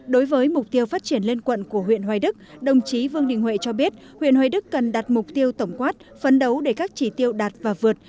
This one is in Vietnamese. đối với mục tiêu phát triển lên quận của huyện hoài đức đồng chí vương đình huệ cho biết huyện hoài đức cần đặt mục tiêu tổng quát phấn đấu để các chỉ tiêu đạt và vượt